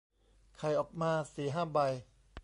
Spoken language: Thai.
ไข่ออกมาสี่ห้าใบ